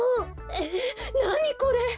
えっなにこれ？